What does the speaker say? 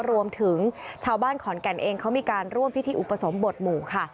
รวมถึงชาวบ้านขอนแก่นเองเขามีการร่วมพิธีอุปสมบทหมู่ค่ะ